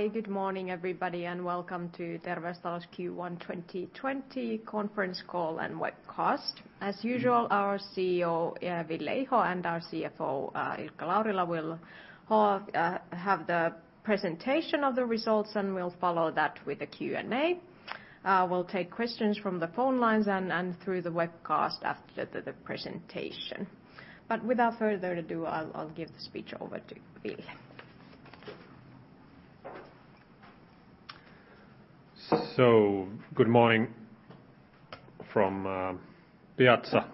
Hi, good morning, everybody, and welcome to Terveystalo's Q1 2020 conference call and webcast. As usual, our CEO, Ville Iho, and our CFO, Ilkka Laurila, will have the presentation of the results, and we'll follow that with a Q&A. We'll take questions from the phone lines and through the webcast after the presentation. without further ado, I'll give the speech over to Ville. Good morning from Piazza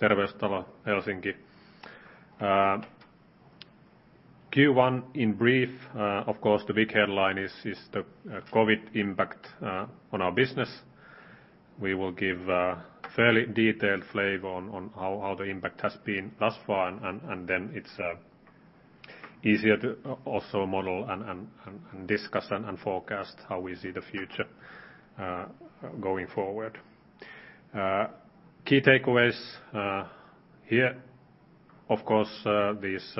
Terveystalo, Helsinki. Q1 in brief, of course, the big headline is the COVID impact on our business. We will give a fairly detailed flavor on how the impact has been thus far, and then it's easier to also model and discuss and forecast how we see the future going forward. Key takeaways. Here, of course, this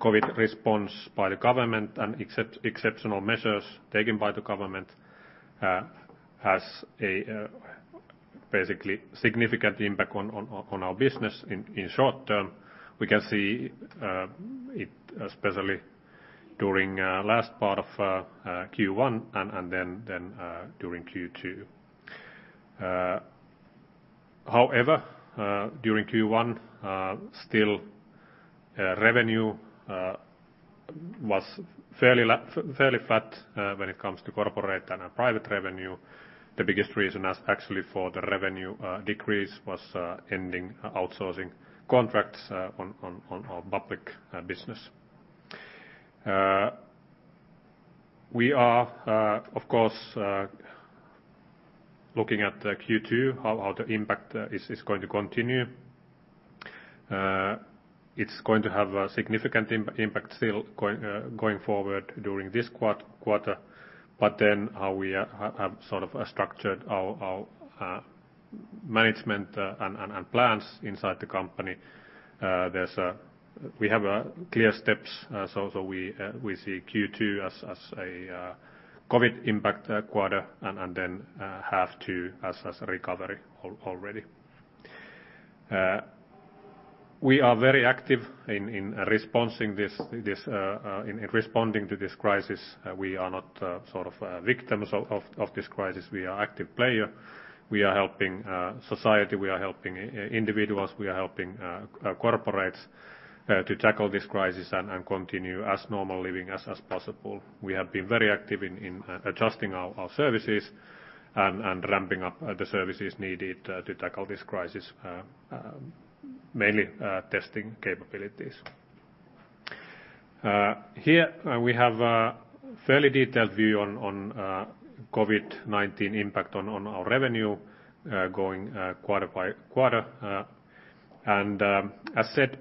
COVID response by the government and exceptional measures taken by the government has a basically significant impact on our business in short-term. We can see it especially during last part of Q1 and then during Q2. However, during Q1, still revenue was fairly flat when it comes to corporate and private revenue. The biggest reason actually for the revenue decrease was ending outsourcing contracts on our public business. We are, of course, looking at Q2, how the impact is going to continue. It's going to have a significant impact still going forward during this quarter. How we have sort of structured our management and plans inside the company, we have clear steps. We see Q2 as a COVID impact quarter and then half two as a recovery already. We are very active in responding to this crisis. We are not victims of this crisis. We are active player. We are helping society, we are helping individuals, we are helping corporates to tackle this crisis and continue as normal living as possible. We have been very active in adjusting our services and ramping up the services needed to tackle this crisis, mainly testing capabilities. Here we have a fairly detailed view on COVID-19 impact on our revenue going quarter by quarter. As said,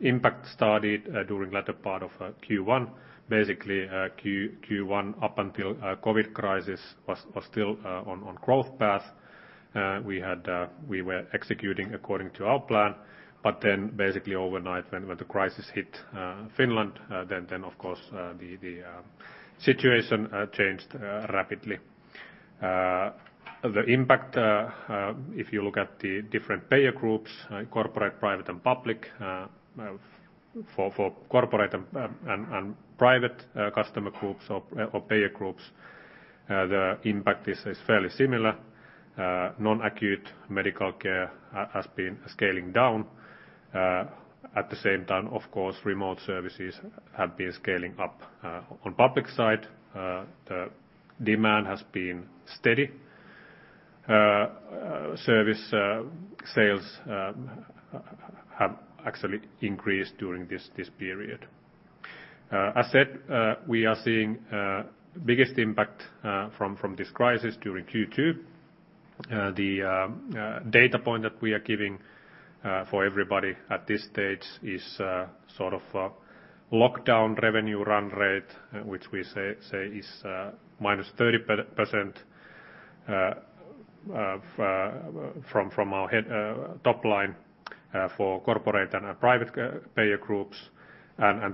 impact started during latter part of Q1. Basically, Q1 up until COVID crisis was still on growth path. We were executing according to our plan. Basically overnight when the crisis hit Finland then, of course, the situation changed rapidly. The impact, if you look at the different payer groups, corporate, private, and public. For corporate and private customer groups or payer groups the impact is fairly similar. Non-acute medical care has been scaling down. At the same time, of course, remote services have been scaling up. On public side, the demand has been steady. Service sales have actually increased during this period. As said, we are seeing biggest impact from this crisis during Q2. The data point that we are giving for everybody at this stage is sort of a lockdown revenue run rate, which we say is minus 30% from our top line for corporate and private payer groups.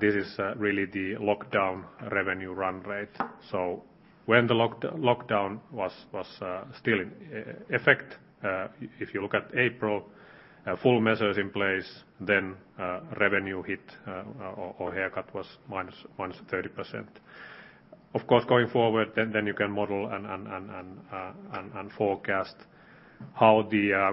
This is really the lockdown revenue run rate. When the lockdown was still in effect if you look at April, full measures in place, then revenue hit or haircut was -30%. Of course, going forward you can model and forecast how the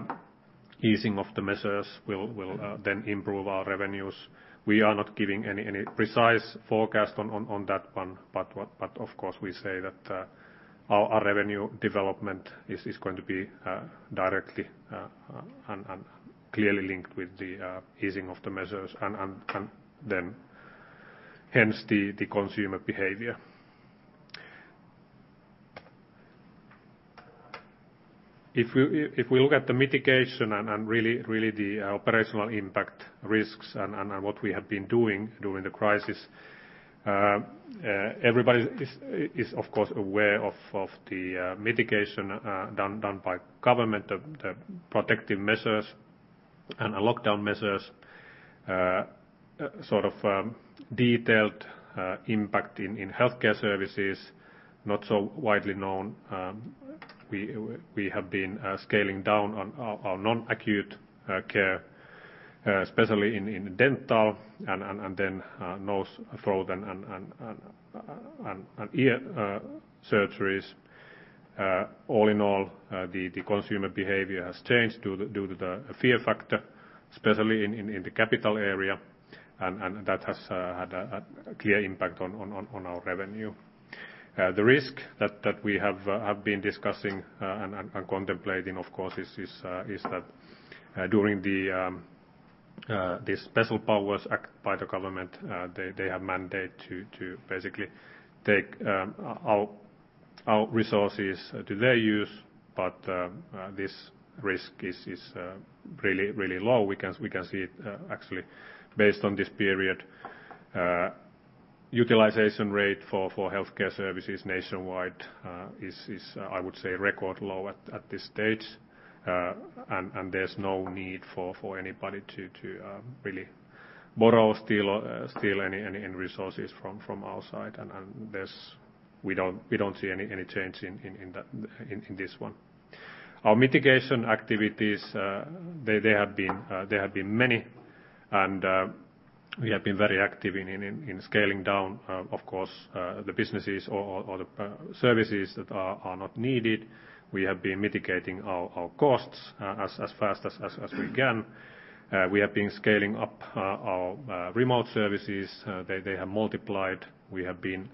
easing of the measures will then improve our revenues. We are not giving any precise forecast on that one, of course, we say that our revenue development is going to be directly and clearly linked with the easing of the measures hence the consumer behavior. If we look at the mitigation and really the operational impact risks and what we have been doing during the crisis. Everybody is, of course, aware of the mitigation done by government, the protective measures and lockdown measures. Detailed impact in healthcare services, not so widely known. We have been scaling down on our non-acute care, especially in dental and then nose, throat, and ear surgeries. The consumer behavior has changed due to the fear factor, especially in the capital area, and that has had a clear impact on our revenue. The risk that we have been discussing and contemplating, of course, is that during the Emergency Powers Act by the government, they have mandate to basically take our resources to their use. This risk is really low. We can see it actually based on this period. Utilization rate for healthcare services nationwide is, I would say, record low at this stage. There's no need for anybody to really borrow, steal any resources from our side. We don't see any change in this one. Our mitigation activities, there have been many, and we have been very active in scaling down, of course, the businesses or the services that are not needed. We have been mitigating our costs as fast as we can. We have been scaling up our remote services. They have multiplied. We have been,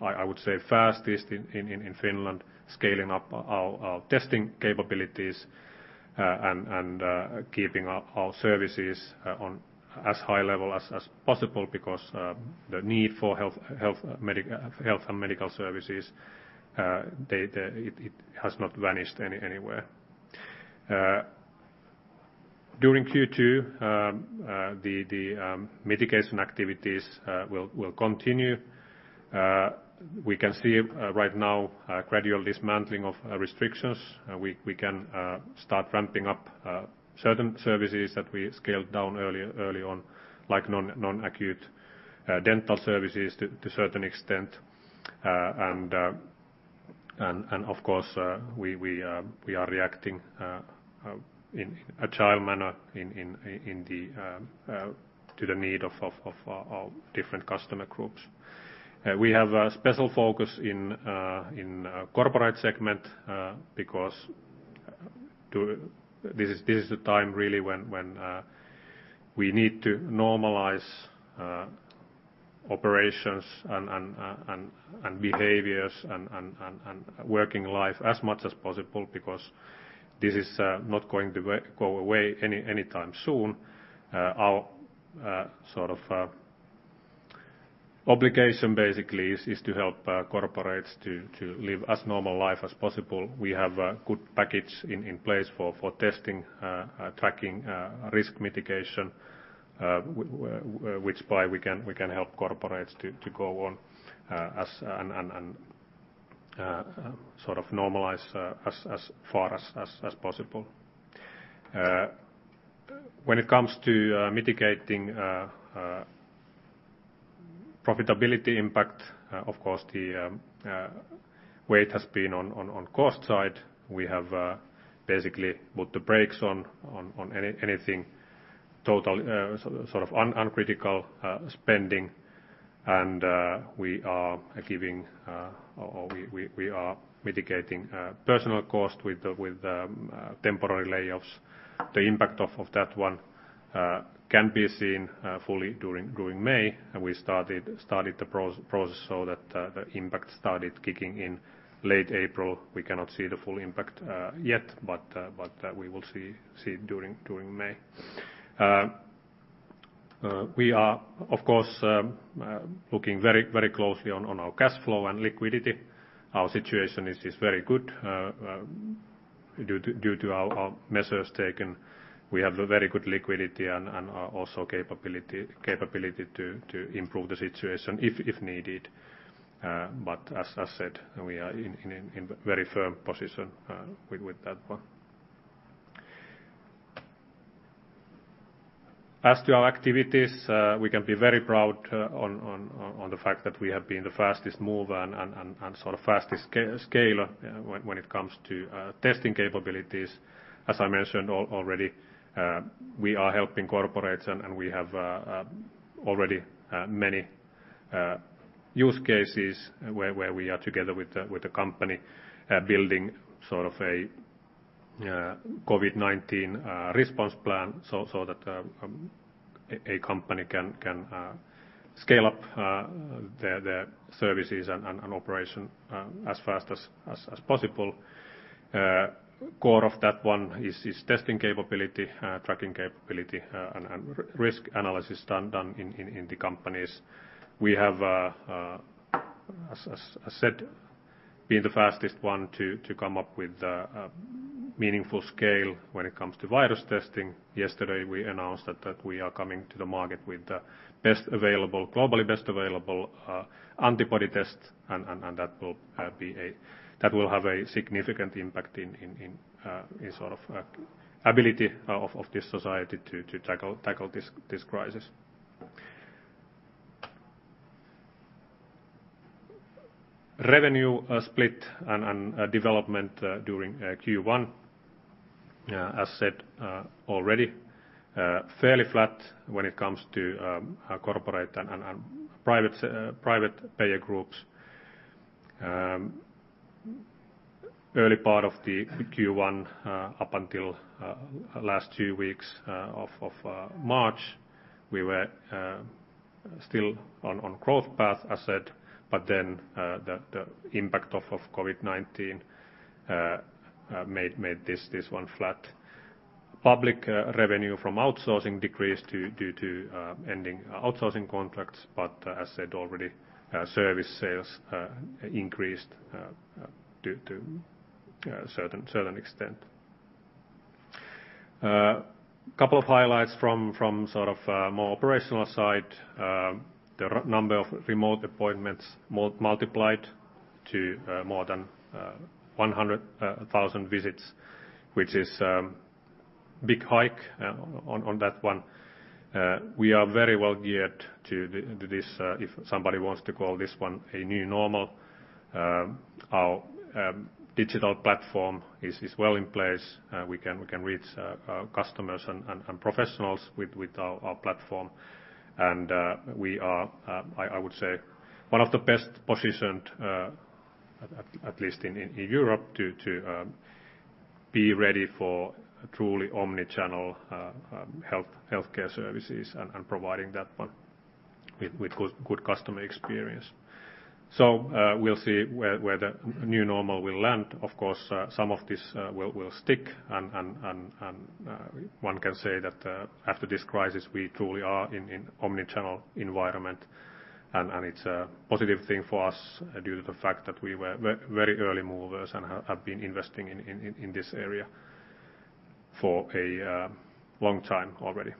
I would say, fastest in Finland, scaling up our testing capabilities, and keeping our services on as high level as possible because the need for health and medical services, it has not vanished anywhere. During Q2, the mitigation activities will continue. We can see right now a gradual dismantling of restrictions. We can start ramping up certain services that we scaled down early on, like non-acute dental services to a certain extent. Of course, we are reacting in agile manner to the need of our different customer groups. We have a special focus in corporate segment because this is the time, really, when we need to normalize operations and behaviors, and working life as much as possible because this is not going to go away anytime soon. Our obligation, basically, is to help corporates to live as normal life as possible. We have a good package in place for testing, tracking, risk mitigation, which by we can help corporates to go on and normalize as far as possible. When it comes to mitigating profitability impact, of course, the weight has been on cost side. We have basically put the brakes on anything total uncritical spending, and we are mitigating personal cost with temporary layoffs. The impact of that one can be seen fully during May, and we started the process so that the impact started kicking in late April. We cannot see the full impact yet, but we will see during May. We are, of course, looking very closely on our cash flow and liquidity. Our situation is very good due to our measures taken. We have a very good liquidity and also capability to improve the situation if needed. As I said, we are in very firm position with that one. As to our activities, we can be very proud on the fact that we have been the fastest mover and fastest scaler when it comes to testing capabilities. As I mentioned already, we are helping corporates, and we have already many use cases where we are together with the company building a COVID-19 response plan, so that a company can scale up their services and operation as fast as possible. Core of that one is testing capability, tracking capability, and risk analysis done in the companies. As I said, being the fastest one to come up with a meaningful scale when it comes to virus testing. Yesterday, we announced that we are coming to the market with the globally best available antibody test. That will have a significant impact in ability of this society to tackle this crisis. Revenue split and development during Q1. As said already, fairly flat when it comes to corporate and private payer groups. Early part of the Q1, up until last two weeks of March, we were still on growth path, I said. The impact of COVID-19 made this one flat. Public revenue from outsourcing decreased due to ending outsourcing contracts. As said already, service sales increased to a certain extent. A couple of highlights from more operational side. The number of remote appointments multiplied to more than 100,000 visits, which is a big hike on that one. We are very well geared to this, if somebody wants to call this one a new normal. Our digital platform is well in place. We can reach customers and professionals with our platform. We are, I would say, one of the best positioned at least in Europe to be ready for truly omni-channel healthcare services and providing that one with good customer experience. We'll see where the new normal will land. Of course, some of this will stick, and one can say that after this crisis, we truly are in omni-channel environment, and it's a positive thing for us due to the fact that we were very early movers and have been investing in this area for a long time already.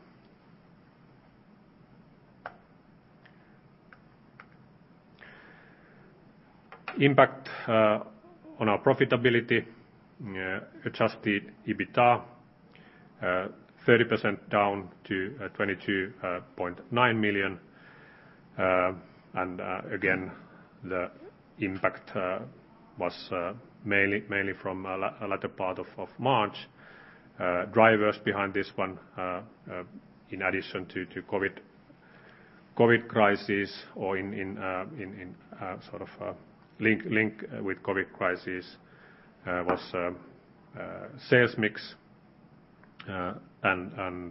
Impact on our profitability. Adjusted EBITDA 30% down to 22.9 million. Again, the impact was mainly from the latter part of March. Drivers behind this one, in addition to COVID crisis or in link with COVID crisis was sales mix and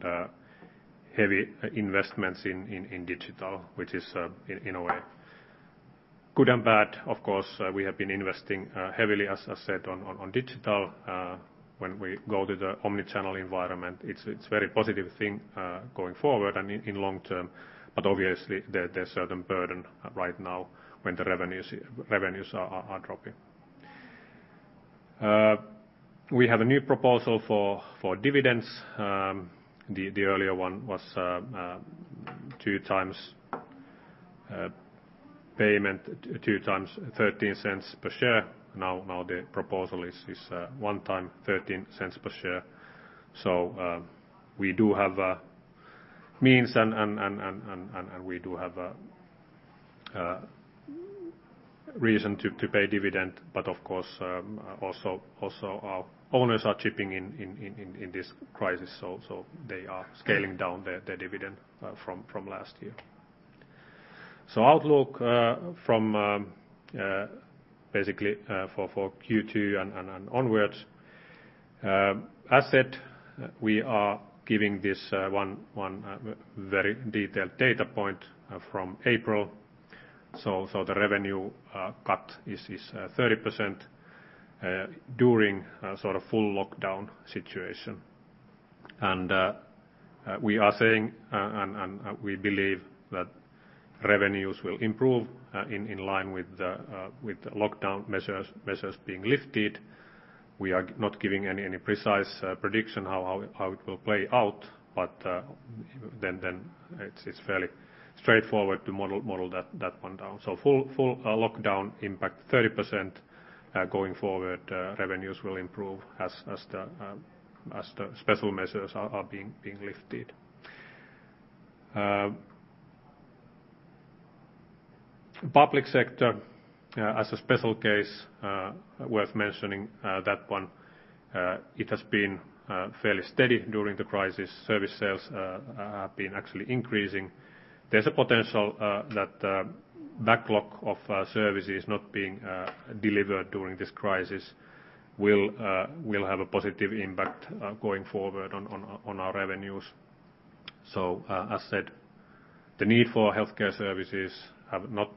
heavy investments in digital, which is in a way good and bad. Of course, we have been investing heavily, as I said, on digital. When we go to the omni-channel environment, it's a very positive thing going forward and in long-term, but obviously there's certain burden right now when the revenues are dropping. We have a new proposal for dividends. The earlier one was two times payment, two times 0.13 per share. Now the proposal is one time 0.13 per share. We do have means and we do have reason to pay dividend. Of course, also our owners are chipping in this crisis, they are scaling down their dividend from last year. Outlook basically for Q2 and onwards. As said, we are giving this one very detailed data point from April. The revenue cut is 30% during full lockdown situation. We are saying, we believe that revenues will improve in line with the lockdown measures being lifted. We are not giving any precise prediction how it will play out. It's fairly straightforward to model that one down. Full lockdown impact 30%. Going forward, revenues will improve as the special measures are being lifted. Public sector as a special case worth mentioning that one it has been fairly steady during the crisis. Service sales have been actually increasing. There's a potential that the backlog of services not being delivered during this crisis will have a positive impact going forward on our revenues. As I said, the need for healthcare services have not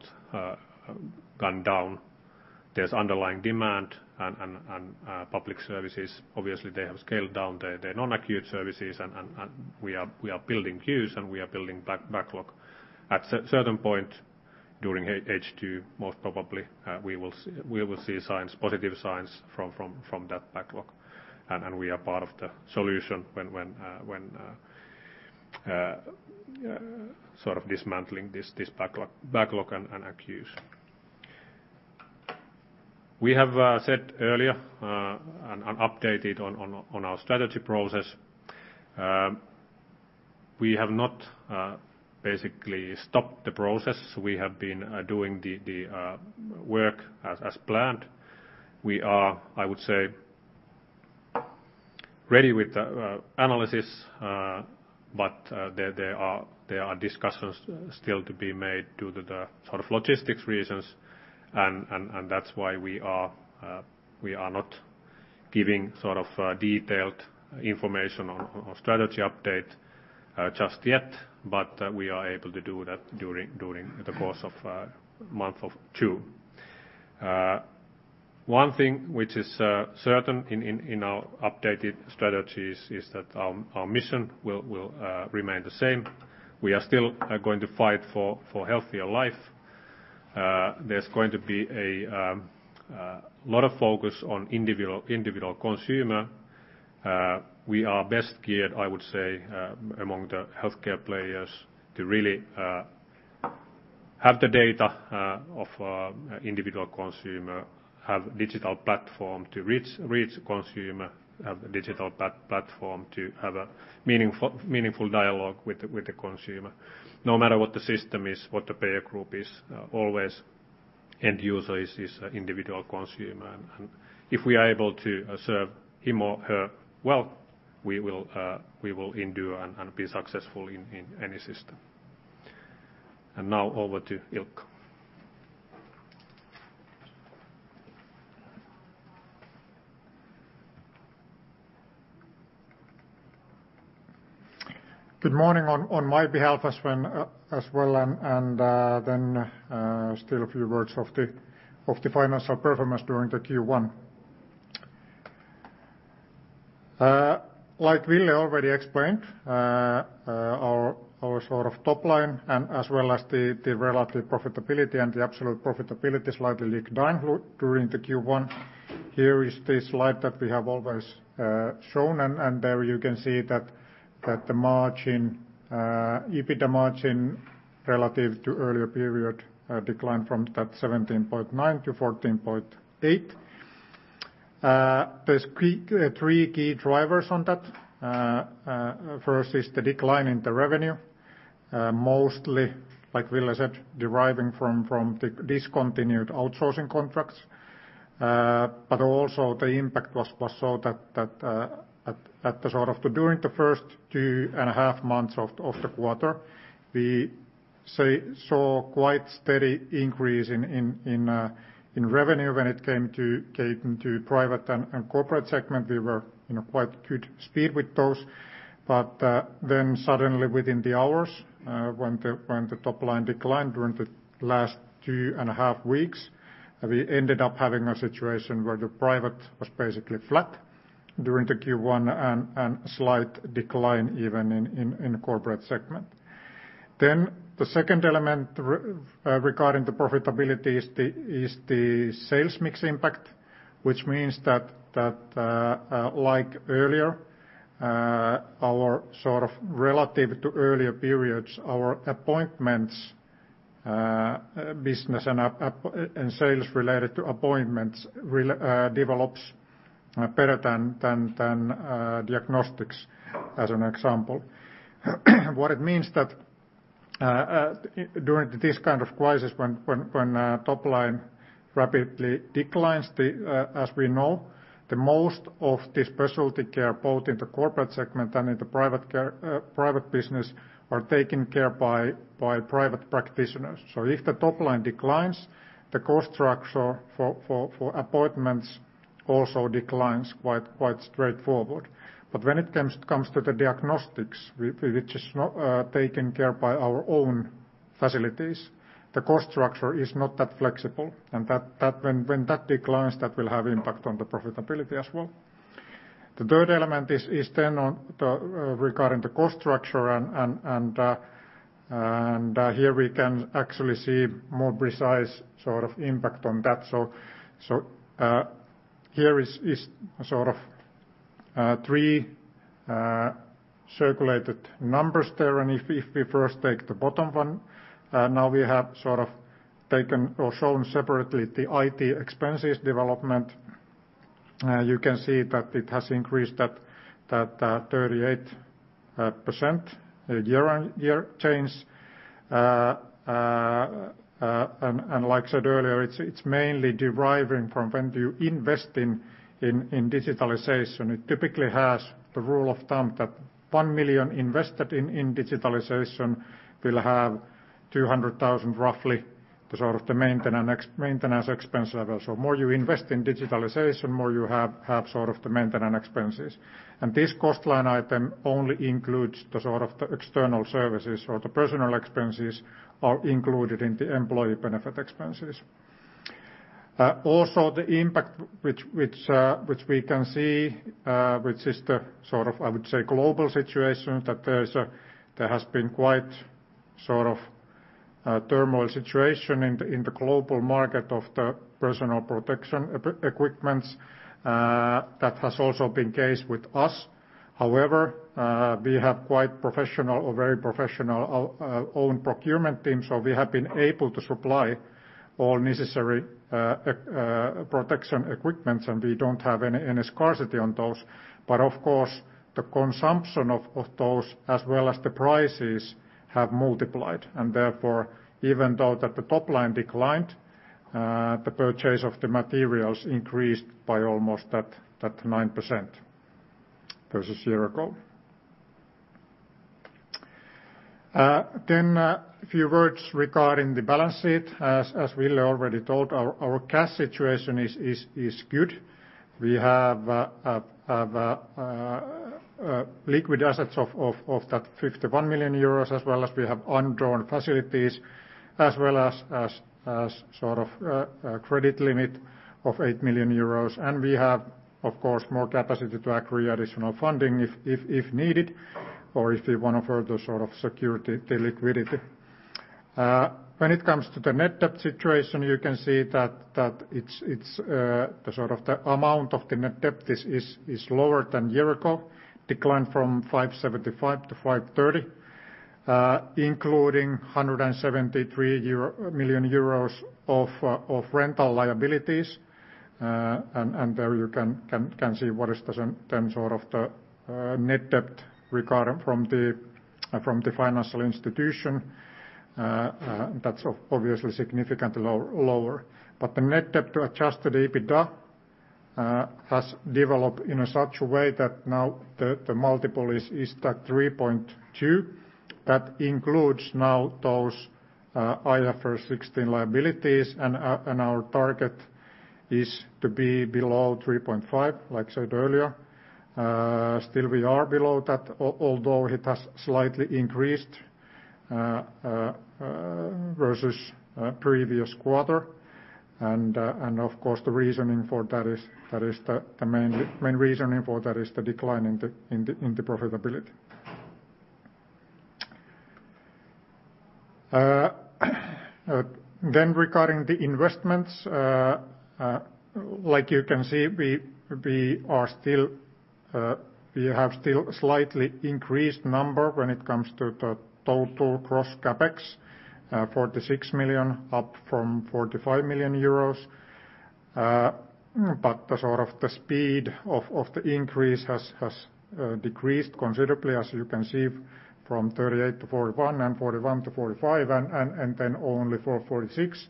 gone down. There's underlying demand and public services. They have scaled down their non-acute services, and we are building queues and we are building backlog. At certain point during H2, most probably, we will see positive signs from that backlog. We are part of the solution when dismantling this backlog and queues. We have said earlier, and updated on our strategy process. We have not basically stopped the process. We have been doing the work as planned. We are, I would say, ready with the analysis, but there are discussions still to be made due to the logistics reasons. That's why we are not giving detailed information or strategy update just yet, but we are able to do that during the course of month of June. One thing which is certain in our updated strategies is that our mission will remain the same. We are still going to fight for healthier life. There's going to be a lot of focus on individual consumer. We are best geared, I would say, among the healthcare players to really have the data of individual consumer, have digital platform to reach consumer, have the digital platform to have a meaningful dialogue with the consumer. No matter what the system is, what the payer group is, always end user is individual consumer. If we are able to serve him or her well, we will endure and be successful in any system. Now over to Ilkka. Good morning on my behalf as well. Still a few words of the financial performance during the Q1. Like Ville already explained, our top line and as well as the relative profitability and the absolute profitability slightly declined during the Q1. Here is the slide that we have always shown. There you can see that the EBITDA margin relative to earlier period declined from that 17.9 to 14.8. There's three key drivers on that. First is the decline in the revenue, mostly, like Ville said, deriving from the discontinued outsourcing contracts. Also the impact was so that during the first two and a half months of the quarter, we saw quite steady increase in revenue when it came to private and corporate segment. We were in a quite good speed with those. Suddenly within the hours, when the top line declined during the last two and a half weeks, we ended up having a situation where the private was basically flat during the Q1 and slight decline even in corporate segment. The second element regarding the profitability is the sales mix impact, which means that like earlier, our relative to earlier periods, our appointments business and sales related to appointments develops better than diagnostics, as an example. What it means that during this kind of crisis, when top line rapidly declines as we know, the most of the specialty care, both in the corporate segment and in the private business, are taken care by private practitioners. If the top line declines, the cost structure for appointments also declines quite straightforward. When it comes to the diagnostics, which is taken care by our own facilities, the cost structure is not that flexible, and when that declines, that will have impact on the profitability as well. The third element is then regarding the cost structure and here we can actually see more precise impact on that. Here is three circulated numbers there. If we first take the bottom one, now we have taken or shown separately the IT expenses development. You can see that it has increased at 38% year-on-year change. Like I said earlier, it's mainly deriving from when you invest in digitalization. It typically has the rule of thumb that 1 million invested in digitalization will have 200,000, roughly, the maintenance expense level. More you invest in digitalization, more you have the maintenance expenses. This cost line item only includes the external services or the personal expenses are included in the employee benefit expenses. Also, the impact which we can see, which is the, I would say, global situation that there has been quite a turmoil situation in the global market of the personal protection equipment. That has also been case with us. However, we have very professional own procurement team, so we have been able to supply all necessary protection equipment, and we don't have any scarcity on those. Of course, the consumption of those, as well as the prices, have multiplied, and therefore, even though that the top line declined, the purchase of the materials increased by almost that 9% versus year ago. A few words regarding the balance sheet. As Ville already told, our cash situation is good. We have liquid assets of that 51 million euros, as well as we have undrawn facilities, as well as credit limit of 8 million euros. We have, of course, more capacity to agree additional funding if needed or if we want to further secure the liquidity. When it comes to the net debt situation, you can see that the amount of the net debt is lower than a year ago, declined from 575 to 530, including 173 million euro of rental liabilities. There you can see what is the net debt requirement from the financial institution. That's obviously significantly lower. The net debt to adjusted EBITDA has developed in such a way that now the multiple is that 3.2. That includes now those IFRS 16 liabilities, and our target is to be below 3.5, like I said earlier. Still we are below that, although it has slightly increased versus previous quarter. Of course, the main reasoning for that is the decline in the profitability. Regarding the investments, like you can see, we have still slightly increased number when it comes to the total gross CapEx, 46 million up from 45 million euros. The speed of the increase has decreased considerably, as you can see, from 38 million to 41 million, and 41 million to 45 million, and then only 46 million.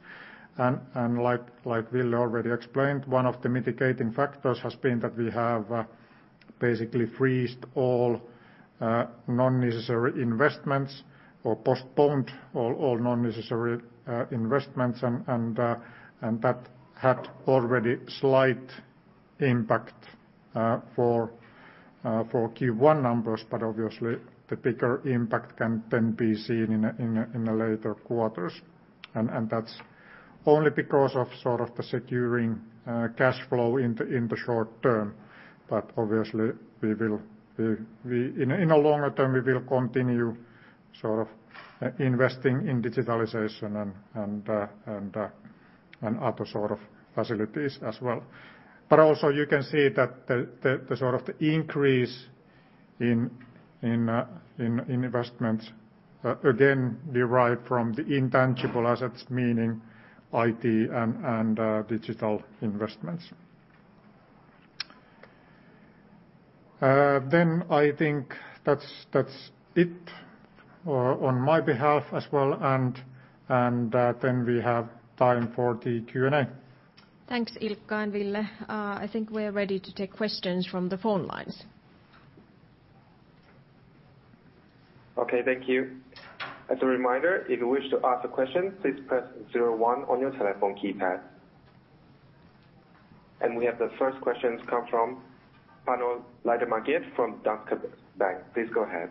Like Ville already explained, one of the mitigating factors has been that we have basically frozen all non-necessary investments or postponed all non-necessary investments, and that had already slight impact for Q1 numbers, but obviously the bigger impact can then be seen in the later quarters. That's only because of the securing cash flow in the short-term. obviously, in a longer term, we will continue investing in digitalization and other sort of facilities as well. also you can see that the increase in investments, again, derived from the intangible assets, meaning IT and digital investments. I think that's it on my behalf as well, and then we have time for the Q&A. Thanks, Ilkka and Ville. I think we're ready to take questions from the phone lines. Okay, thank you. As a reminder, if you wish to ask a question, please press zero one on your telephone keypad. We have the first question come from Panu Laitinmäki from Danske Bank. Please go ahead.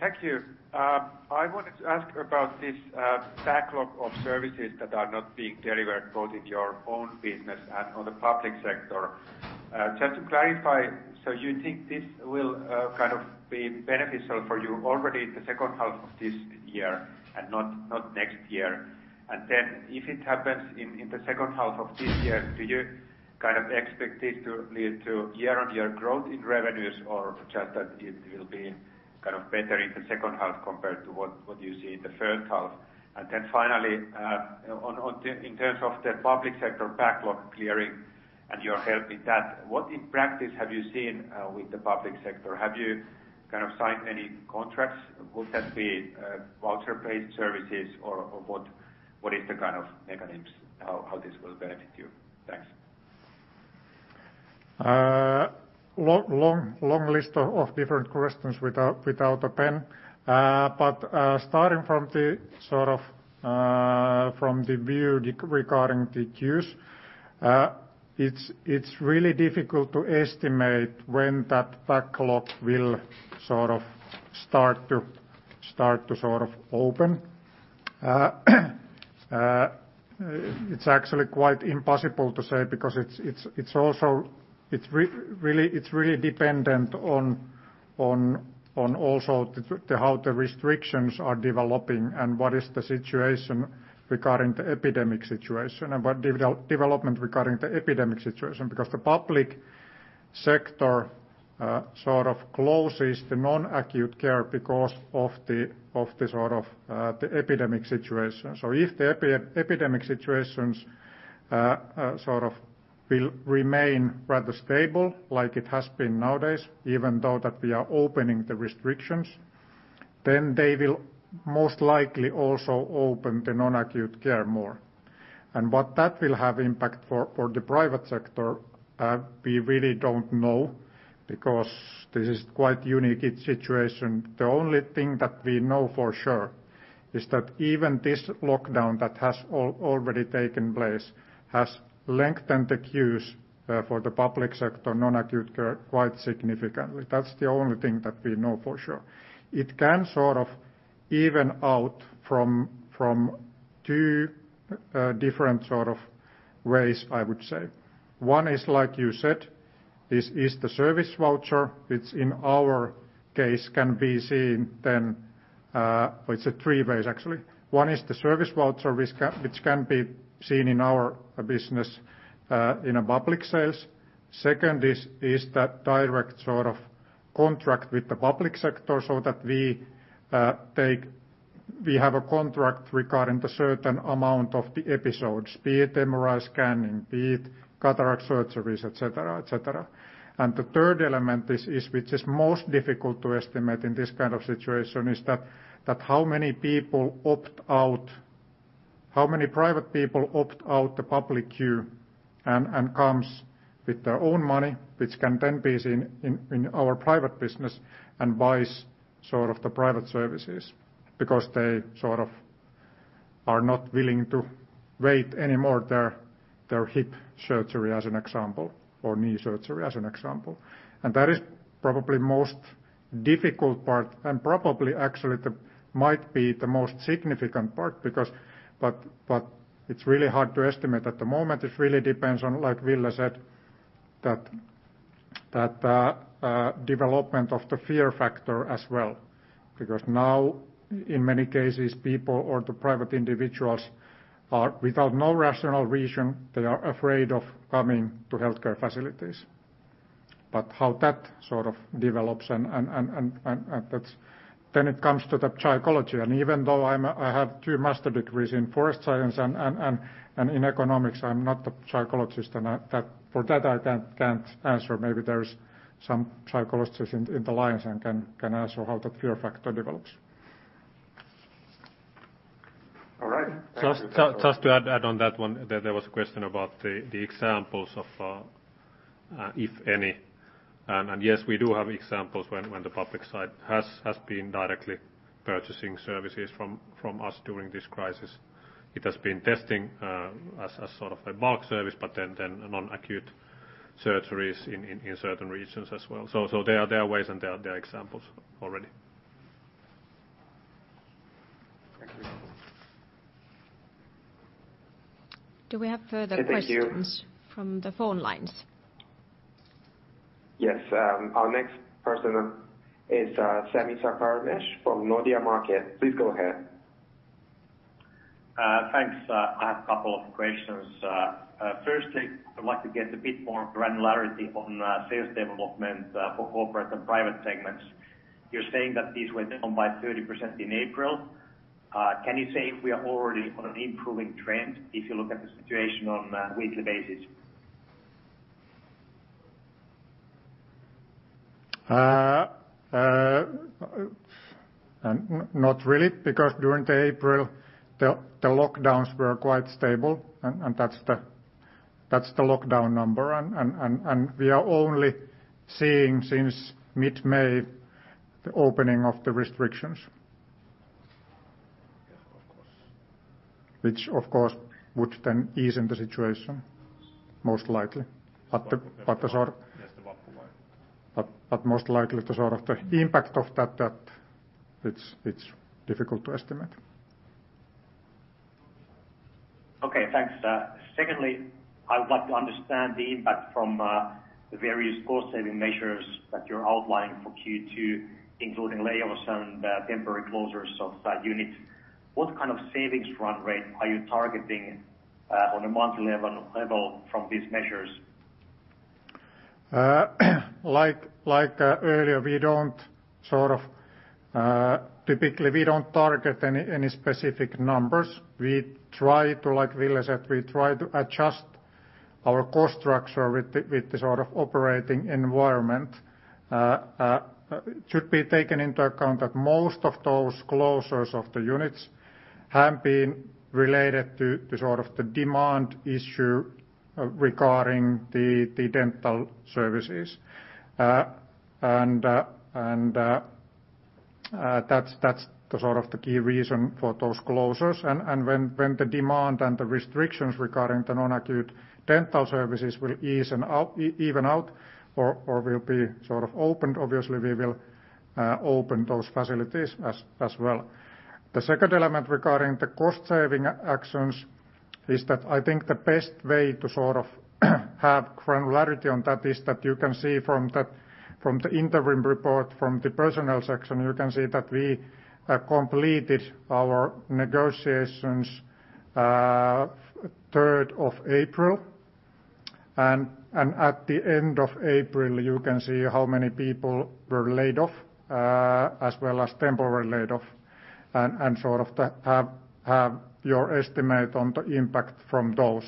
Thank you. I wanted to ask about this backlog of services that are not being delivered, both in your own business and on the public sector. Just to clarify, so you think this will kind of be beneficial for you already in the second half of this year and not next year? If it happens in the second half of this year, do you kind of expect it to lead to year-on-year growth in revenues or just that it will be kind of better in the second half compared to what you see in the first half? Finally, in terms of the public sector backlog clearing and your help in that, what in practice have you seen with the public sector? Have you signed any contracts? Would that be voucher-based services or what is the kind of mechanisms how this will benefit you? Thanks. Long list of different questions without a pen. Starting from the view regarding the queues, it's really difficult to estimate when that backlog will start to open. It's actually quite impossible to say because it's really dependent on also how the restrictions are developing and what is the situation regarding the epidemic situation and what development regarding the epidemic situation. Because the public sector closes the non-acute care because of the epidemic situation. If the epidemic situations will remain rather stable like it has been nowadays, even though that we are opening the restrictions, then they will most likely also open the non-acute care more. What that will have impact for the private sector, we really don't know because this is quite unique situation. The only thing that we know for sure is that even this lockdown that has already taken place has lengthened the queues for the public sector non-acute care quite significantly. That's the only thing that we know for sure. It can even out from three different ways, I would say. One is the service voucher which can be seen in our business in public sales. Second is that direct contract with the public sector so that we have a contract regarding the certain amount of the episodes, be it MRI scanning, be it cataract surgeries, et cetera. The third element, which is most difficult to estimate in this kind of situation, is that how many private people opt out the public queue and comes with their own money, which can then be in our private business and buys the private services because they are not willing to wait any more their hip surgery, as an example, or knee surgery, as an example. That is probably most difficult part and probably actually might be the most significant part, but it's really hard to estimate at the moment. It really depends on, like Ville said, that development of the fear factor as well. Because now, in many cases, people or the private individuals are without no rational reason, they are afraid of coming to healthcare facilities. How that develops and then it comes to the psychology, and even though I have two master degrees in forest science and in economics, I'm not a psychologist and for that, I can't answer. Maybe there is some psychologist in the lines and can answer how the fear factor develops. Just to add on that one, there was a question about the examples, if any. Yes, we do have examples when the public side has been directly purchasing services from us during this crisis. It has been testing as a bulk service, but then non-acute surgeries in certain regions as well. There are ways and there are examples already. Thank you. Do we have further questions? Thank you from the phone lines? Yes. Our next person is Sami Sarkamies from Nordea Markets. Please go ahead. Thanks. I have a couple of questions. Firstly, I'd like to get a bit more granularity on sales development for corporate and private segments. You're saying that these were down by 30% in April. Can you say if we are already on an improving trend if you look at the situation on a weekly basis? Not really, because during the April, the lockdowns were quite stable, and that's the lockdown number. We are only seeing since mid-May the opening of the restrictions. Yes, of course. Which, of course, would then ease the situation most likely. Yes, the Vappu holiday. most likely the impact of that it's difficult to estimate. Okay, thanks. Secondly, I would like to understand the impact from the various cost-saving measures that you're outlining for Q2, including layoffs and temporary closures of site units. What kind of savings run rate are you targeting on a monthly level from these measures? Like earlier, typically we don't target any specific numbers. Like Ville said, we try to adjust our cost structure with the operating environment. It should be taken into account that most of those closures of the units have been related to the demand issue regarding the dental services. That's the key reason for those closures. When the demand and the restrictions regarding the non-acute dental services will even out or will be opened, obviously we will open those facilities as well. The second element regarding the cost-saving actions is that I think the best way to have granularity on that is that you can see from the interim report from the personnel section, you can see that we completed our negotiations 3rd of April, and at the end of April you can see how many people were laid off as well as temporary laid off, and have your estimate on the impact from those.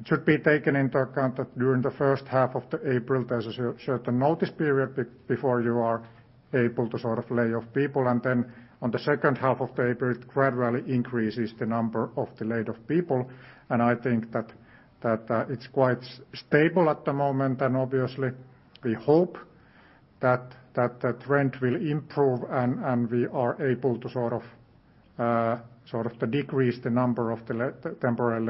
It should be taken into account that during the first half of the April, there's a certain notice period before you are able to lay off people and then on the second half of the April, it gradually increases the number of the laid off people, and I think that it's quite stable at the moment and obviously we hope that the trend will improve and we are able to decrease the number of the temporary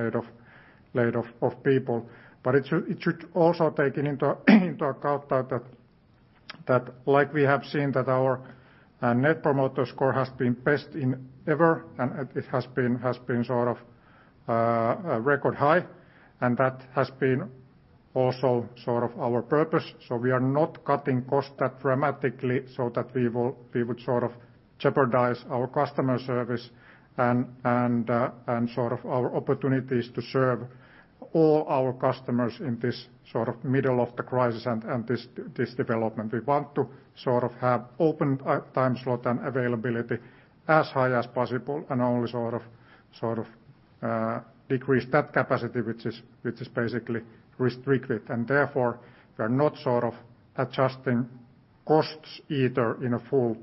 laid off people. it should also take it into account that like we have seen that our net promoter score has been best ever, and it has been a record high, and that has been also our purpose. we are not cutting costs that dramatically so that we would jeopardize our customer service and our opportunities to serve all our customers in this middle of the crisis and this development. We want to have open time slot and availability as high as possible and only decrease that capacity which is basically restricted. Therefore, we're not adjusting costs either in a full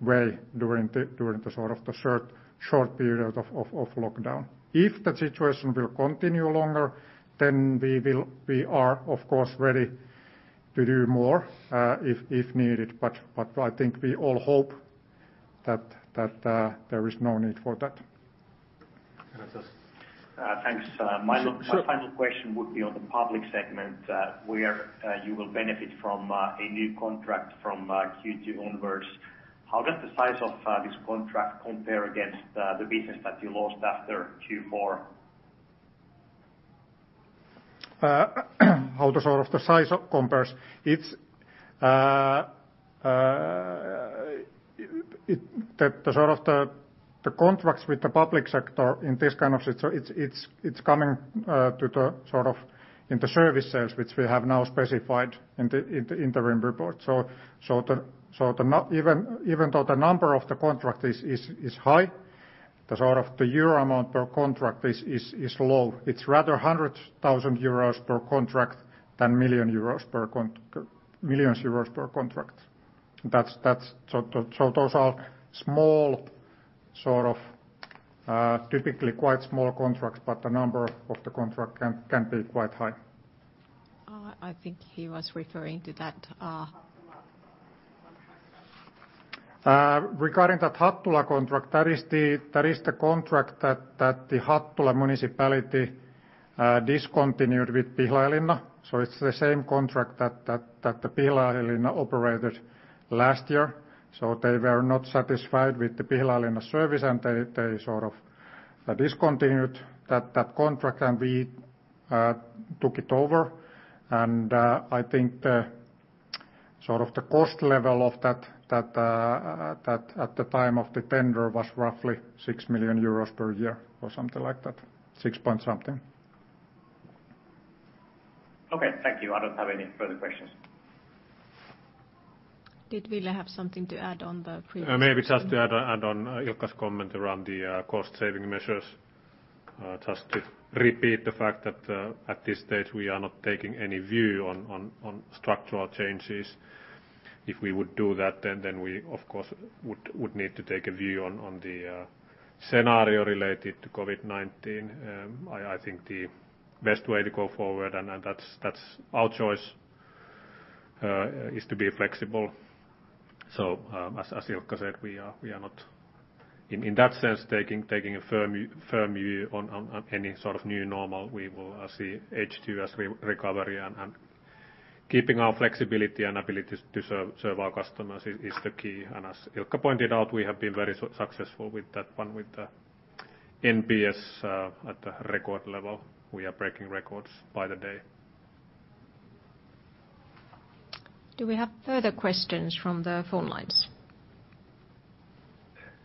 way during the short period of lockdown. If the situation will continue longer, then we are, of course, ready to do more if needed but I think we all hope that there is no need for that. Thanks. My final question would be on the public segment where you will benefit from a new contract from Q2 onwards. How does the size of this contract compare against the business that you lost after Q4? How the size compares. The contracts with the public sector in this kind of situation, it's coming in the service sales, which we have now specified in the interim report. Even though the number of the contract is high, the euro amount per contract is low. It's rather 100,000 euros per contract than millions euros per contract. Those are typically quite small contracts, but the number of the contract can be quite high. I think he was referring to that Hattula contract. Regarding that Hattula contract, that is the contract that the Hattula Municipality discontinued with Pihlajalinna. It's the same contract that the Pihlajalinna operated last year. They were not satisfied with the Pihlajalinna service, and they discontinued that contract and we took it over, and I think the cost level of that at the time of the tender was roughly 6 million euros per year or something like that. six point something. Okay. Thank you. I don't have any further questions. Did Ville have something to add on the previous- Maybe just to add on Ilkka's comment around the cost-saving measures. Just to repeat the fact that at this stage, we are not taking any view on structural changes. If we would do that, then we, of course, would need to take a view on the scenario related to COVID-19. I think the best way to go forward, and that's our choice, is to be flexible. As Ilkka said, we are not, in that sense, taking a firm view on any sort of new normal. We will see H2 as recovery and keeping our flexibility and ability to serve our customers is the key. As Ilkka pointed out, we have been very successful with that one with the NPS at the record level. We are breaking records by the day. Do we have further questions from the phone lines?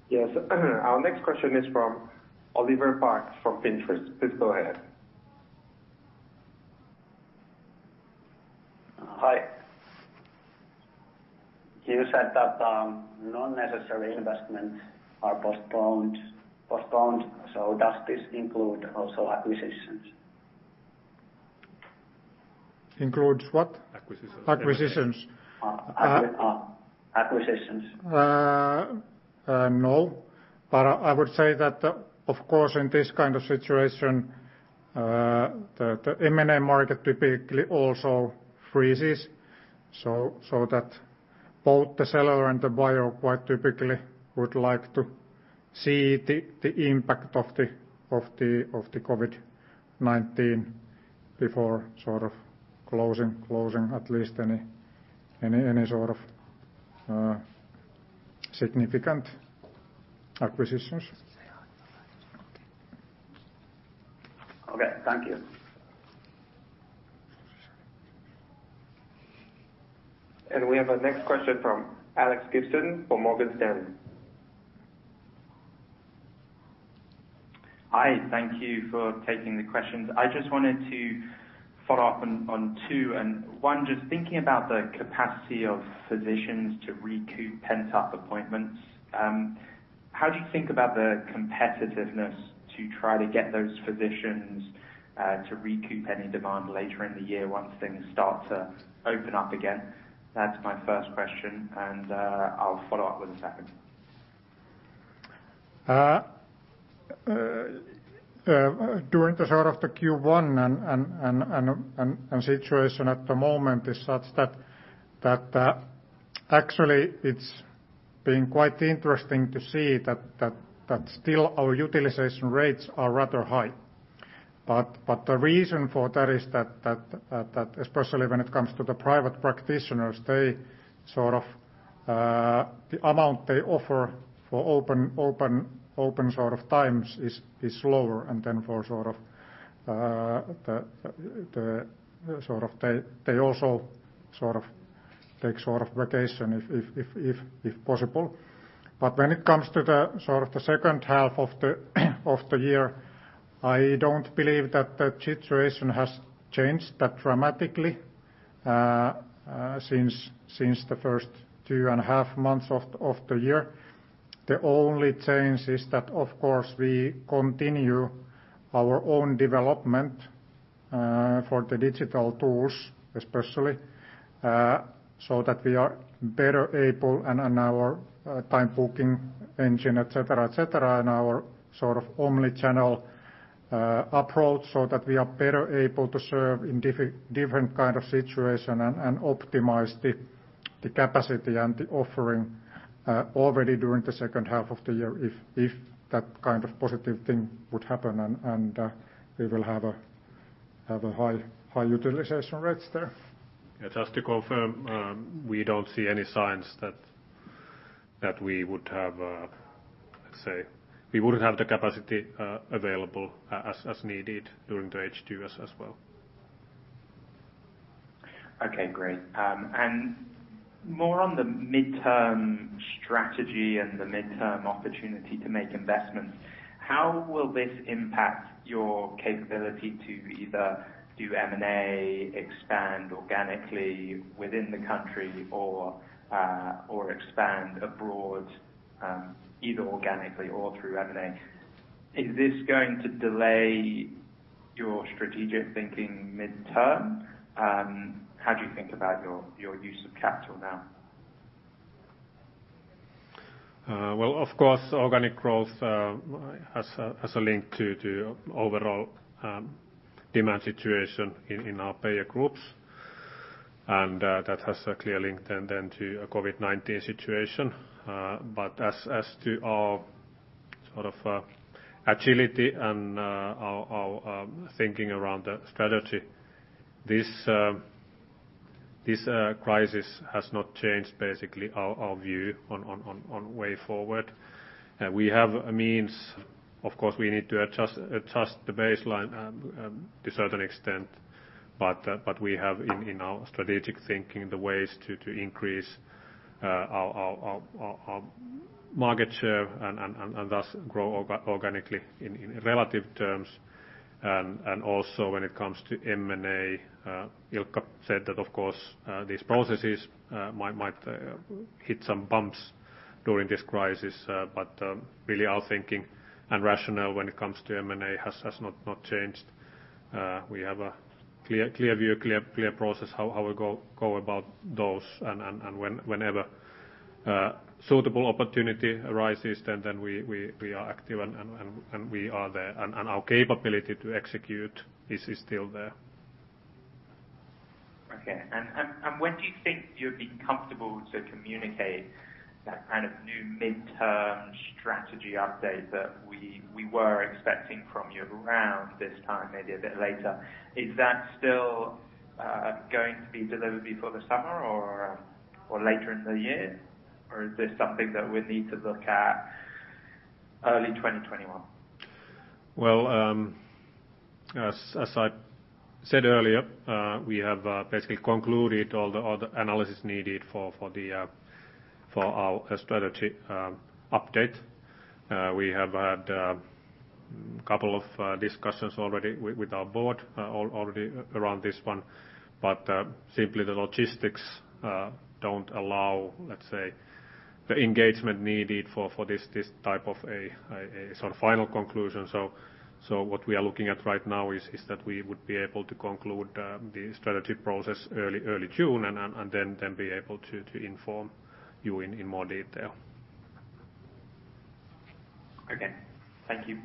Yes. Our next question is from Oliver Parks from Pinterest. Please go ahead. Hi. You said that non-necessary investments are postponed. Does this include also acquisitions? Includes what? Acquisitions. Acquisitions. Acquisitions. No. I would say that, of course, in this kind of situation, the M&A market typically also freezes, so that both the seller and the buyer quite typically would like to see the impact of the COVID-19 before closing at least any sort of significant acquisitions. Okay. Thank you. We have our next question from Alex Gibson from Morgan Stanley. Hi. Thank you for taking the questions. I just wanted to follow up on two. One, just thinking about the capacity of physicians to recoup pent-up appointments, how do you think about the competitiveness to try to get those physicians to recoup any demand later in the year once things start to open up again? That's my first question, and I'll follow up with a second. During the Q1 and situation at the moment is such that actually it's been quite interesting to see that still our utilization rates are rather high. The reason for that is that especially when it comes to the private practitioners, the amount they offer for open times is lower, and they also take vacation if possible. When it comes to the second half of the year, I don't believe that the situation has changed that dramatically since the firs t two and a half months of the year. The only change is that, of course, we continue our own development for the digital tools, especially so that we are better able and our time booking engine, et cetera, in our omnichannel approach, so that we are better able to serve in different kind of situation and optimize the capacity and the offering already during the second half of the year if that kind of positive thing would happen and we will have a high utilization rates there. Just to confirm, we don't see any signs that we wouldn't have the capacity available as needed during the H2s as well. Okay, great. More on the midterm strategy and the midterm opportunity to make investments, how will this impact your capability to either do M&A, expand organically within the country, or expand abroad, either organically or through M&A? Is this going to delay your strategic thinking midterm? How do you think about your use of capital now? Well, of course, organic growth has a link to overall demand situation in our payer groups, and that has a clear link then to COVID-19 situation. As to our agility and our thinking around the strategy, this crisis has not changed, basically, our view on way forward. We have a means, of course, we need to adjust the baseline to a certain extent. We have in our strategic thinking, the ways to increase our market share and thus grow organically in relative terms. Also when it comes to M&A, Ilkka said that, of course, these processes might hit some bumps during this crisis. Really our thinking and rationale when it comes to M&A has not changed. We have a clear view, clear process, how we go about those and whenever suitable opportunity arises, then we are active and we are there, and our capability to execute is still there. Okay. When do you think you'll be comfortable to communicate that kind of new midterm strategy update that we were expecting from you around this time, maybe a bit later? Is that still going to be delivered before the summer or later in the year? Is this something that we need to look at early 2021? Well, as I said earlier, we have basically concluded all the analysis needed for our strategy update. We have had couple of discussions already with our board already around this one, but simply the logistics don't allow, let's say, the engagement needed for this type of a final conclusion. What we are looking at right now is that we would be able to conclude the strategy process early June and then be able to inform you in more detail. Okay. Thank you.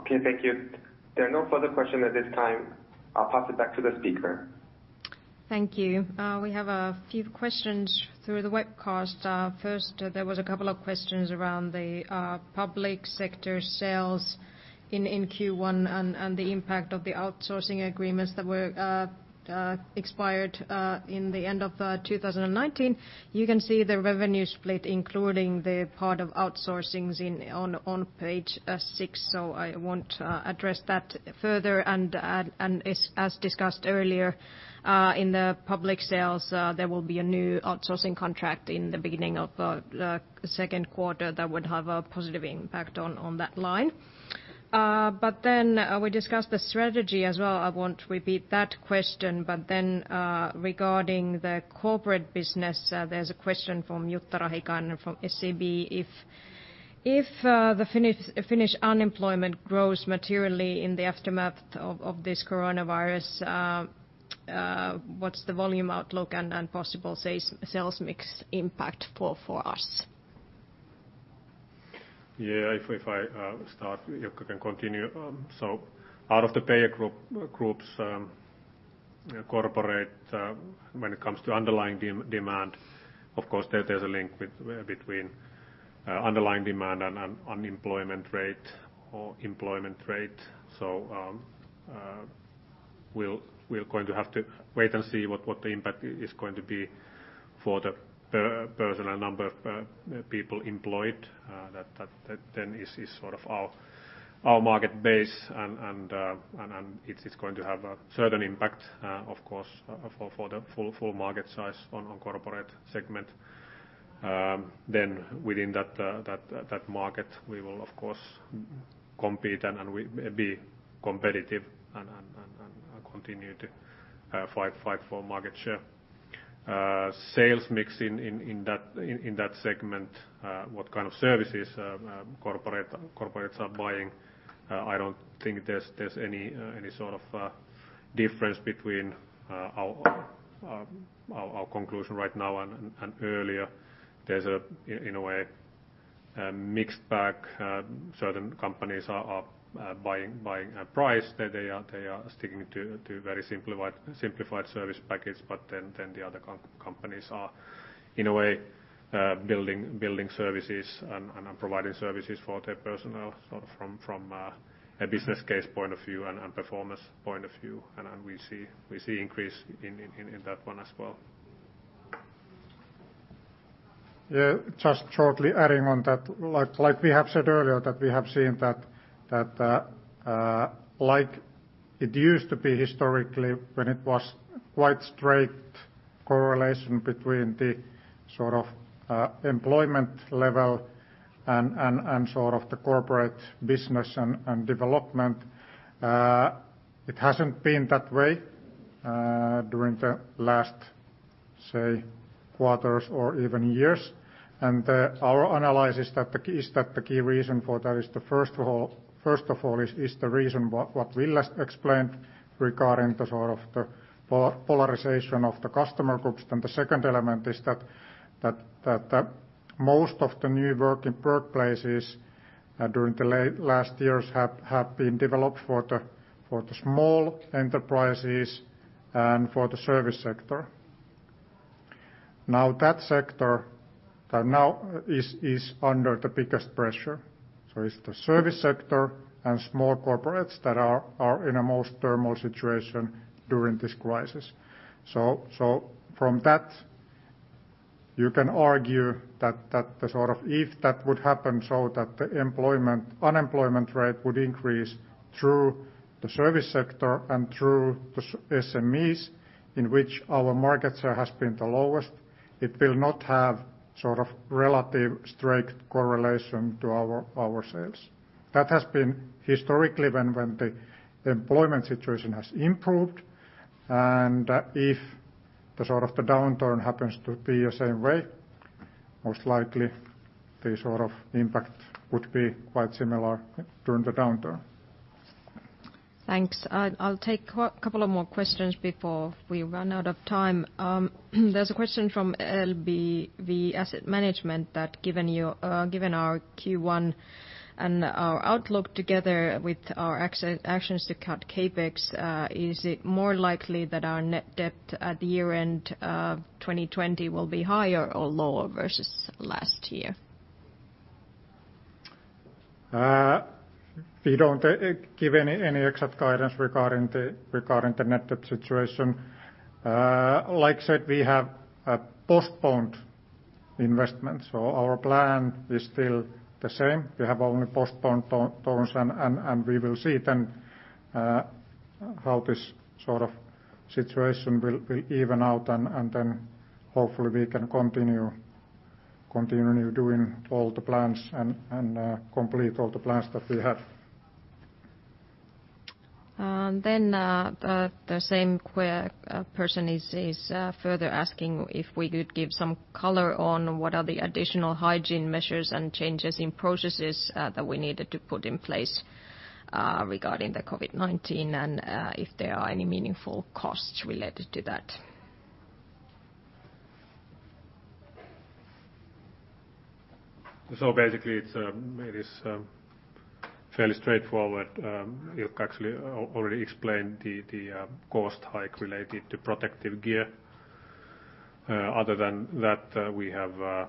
Okay. Thank you. There are no further questions at this time. I'll pass it back to the speaker. Thank you. We have a few questions through the webcast. First, there was a couple of questions around the public sector sales in Q1 and the impact of the outsourcing agreements that were expired in the end of 2019. You can see the revenue split, including the part of outsourcing on page six, so I won't address that further. As discussed earlier, in the public sales, there will be a new outsourcing contract in the beginning of the second quarter that would have a positive impact on that line. Then we discussed the strategy as well. I won't repeat that question. Then, regarding the corporate business, there's a question from Jutta Rahikainen from SEB. If the Finnish unemployment grows materially in the aftermath of this coronavirus, what's the volume outlook and possible sales mix impact for us? If I start, Ilkka can continue. Out of the payer groups, Corporate, when it comes to underlying demand, of course, there's a link between underlying demand and unemployment rate or employment rate. We're going to have to wait and see what the impact is going to be for the personal number of people employed. That then is sort of our market base, and it's going to have a certain impact, of course, for the full market size on Corporate segment. Within that market, we will, of course, compete and be competitive and continue to fight for market share. Sales mix in that segment, what kind of services Corporates are buying, I don't think there's any sort of difference between our conclusion right now and earlier. There's, in a way, a mixed bag. Certain companies are buying a price. They are sticking to very simplified service package, but then the other companies are, in a way, building services and providing services for their personnel, sort of from a business case point of view and performance point of view. We see increase in that one as well. Yeah. Just shortly adding on that, like we have said earlier that we have seen that it used to be historically when it was quite straight correlation between the sort of employment level and sort of the corporate business and development. It hasn't been that way during the last, say, quarters or even years. Our analysis is that the key reason for that is, first of all, is the reason what Ville explained regarding the sort of the polarization of the customer groups. The second element is that most of the new work in workplaces during the last years have been developed for the small enterprises and for the service sector. Now that sector is under the biggest pressure. It's the service sector and small corporates that are in a most turmoil situation during this crisis. From that, you can argue that if that would happen so that the unemployment rate would increase through the service sector and through the SMEs in which our market share has been the lowest, it will not have sort of relative straight correlation to our sales. That has been historically when the employment situation has improved. If the sort of the downturn happens to be the same way, most likely the sort of impact would be quite similar during the downturn. Thanks. I'll take couple of more questions before we run out of time. There's a question from LBBW Asset Management that given our Q1 and our outlook together with our actions to cut CapEx, is it more likely that our net debt at year-end 2020 will be higher or lower versus last year? We don't give any exact guidance regarding the net debt situation. Like I said, we have postponed investments, so our plan is still the same. We have only postponed those, and we will see then how this sort of situation will even out, and then hopefully we can continue doing all the plans and complete all the plans that we have. The same person is further asking if we could give some color on what are the additional hygiene measures and changes in processes that we needed to put in place regarding the COVID-19, and if there are any meaningful costs related to that. Basically, it is fairly straightforward. Ilkka actually already explained the cost hike related to protective gear. Other than that, we have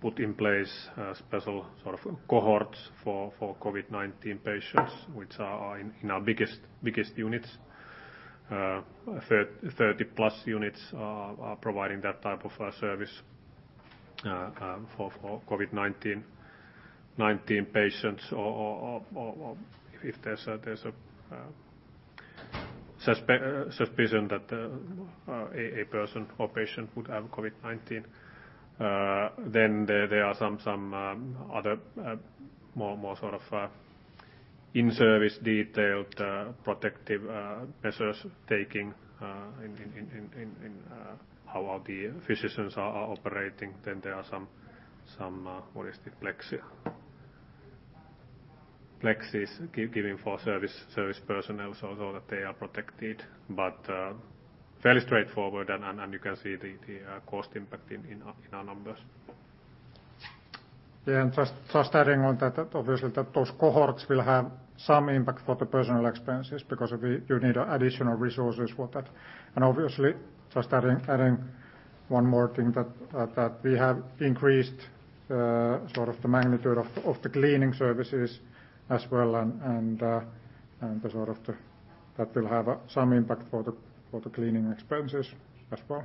put in place a special sort of cohorts for COVID-19 patients, which are in our biggest units. 30+ units are providing that type of service for COVID-19 patients. If there's a suspicion that a person or patient would have COVID-19, then there are some other more sort of in-service detailed protective measures taken in how the physicians are operating. There are some, what is it, plexis given for service personnel so that they are protected. Fairly straightforward, and you can see the cost impact in our numbers. Yeah, just adding on that, obviously, those cohorts will have some impact for the personal expenses because you need additional resources for that. Obviously, just adding one more thing, that we have increased the magnitude of the cleaning services as well, and that will have some impact for the cleaning expenses as well.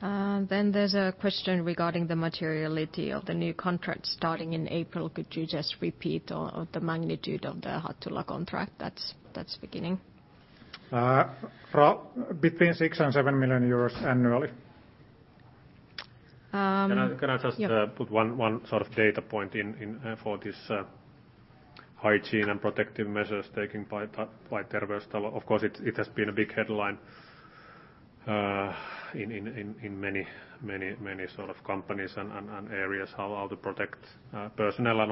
There's a question regarding the materiality of the new contract starting in April. Could you just repeat the magnitude of the Hattula contract that's beginning? Between 6 million and 7 million euros annually. Can I just- Yeah put one sort of data point in for this hygiene and protective measures taken by Terveystalo? Of course, it has been a big headline in many sort of companies and areas, how to protect personnel and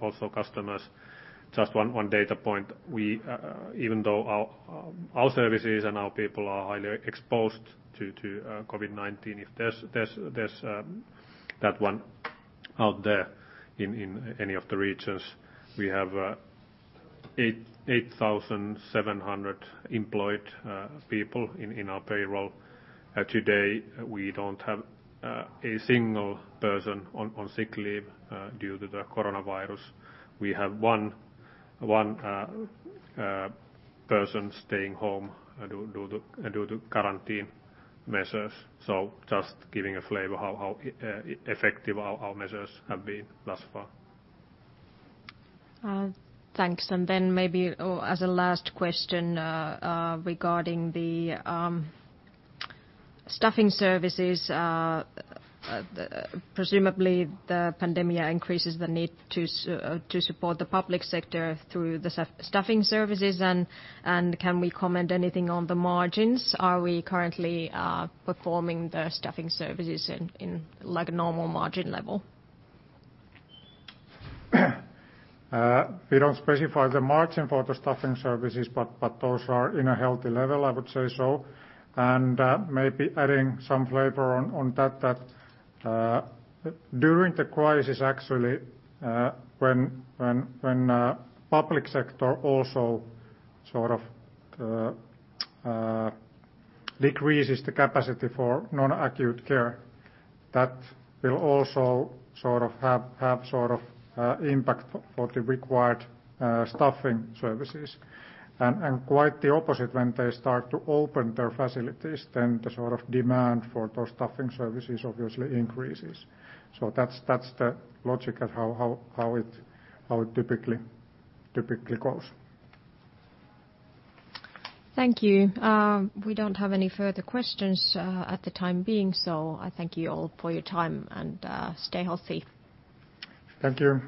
also customers. Just one data point. Even though our services and our people are highly exposed to COVID-19, if there's that one out there in any of the regions, we have 8,700 employed people in our payroll. Today, we don't have a single person on sick leave due to the coronavirus. We have one person staying home due to quarantine measures. Just giving a flavor how effective our measures have been thus far. Thanks. Maybe as a last question regarding the staffing services. Presumably, the pandemic increases the need to support the public sector through the staffing services. Can we comment anything on the margins? Are we currently performing the staffing services in normal margin level? We don't specify the margin for the staffing services, but those are in a healthy level, I would say so. maybe adding some flavor on that, during the crisis, actually, when public sector also sort of decreases the capacity for non-acute care, that will also have impact for the required staffing services. quite the opposite when they start to open their facilities, then the demand for those staffing services obviously increases. that's the logic of how it typically goes. Thank you. We don't have any further questions at the time being, so I thank you all for your time, and stay healthy. Thank you.